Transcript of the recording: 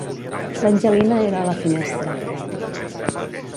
L'Angelina era a la finestra.